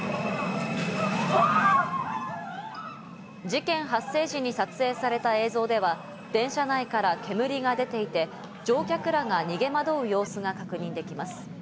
事件発生時に撮影された映像では、電車内から煙が出ていて、乗客らが逃げ惑う様子が確認できます。